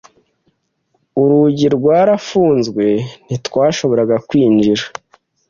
Urugi rwarafunzwe ntitwashoboraga kwinjira.